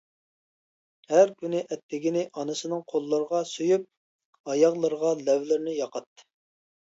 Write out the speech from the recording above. ھەر كۈنى ئەتىگىنى ئانىسىنىڭ قوللىرىغا سۆيۈپ، ئاياغلىرىغا لەۋلىرىنى ياقاتتى.